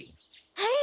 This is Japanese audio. はい。